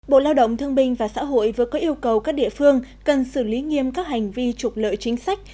bộ lao động thương binh và xã hội vừa có yêu cầu các địa phương cần xử lý nghiêm các hành vi trục lợi chính sách